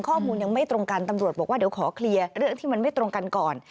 ข้อมูลยังไม่ตรงกันตำรวจบอกว่าเดี๋ยวขอเคลียร์เรื่องที่มันไม่ตรงกันก่อน